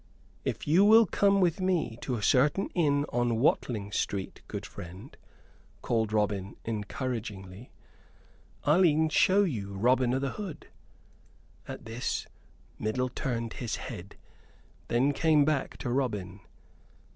"If you will come with me to a certain inn on Watling Street, good friend," called Robin, encouragingly, "I'll e'en show you Robin o' th' Hood!" At this, Middle turned his head, and then came back to Robin.